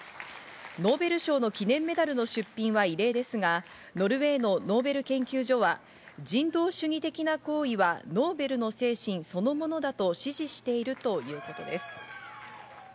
ノーベル賞の記念メダルの出品は異例ですが、ノルウェーのノーベル研究所は人道主義的な行為はノーベルの精神そのものだと指示しているということです。